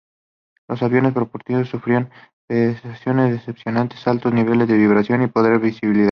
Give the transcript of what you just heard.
Los aviones prototipo sufrían de prestaciones decepcionantes, altos niveles de vibración y pobre visibilidad.